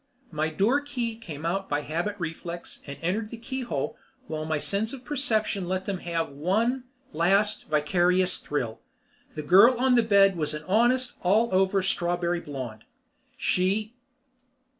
My door key came out by habit reflex and entered the keyhole while my sense of perception let them have one last vicarious thrill. The girl on the bed was an honest allover strawberry blonde. She....